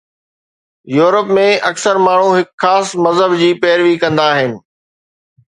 Europe ۾ اڪثر ماڻهو هڪ خاص مذهب جي پيروي ڪندا آهن.